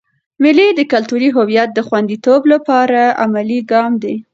مېلې د کلتوري هویت د خونديتوب له پاره عملي ګام دئ.